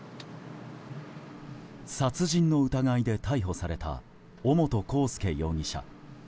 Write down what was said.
殺人の疑いで逮捕された尾本幸祐容疑者。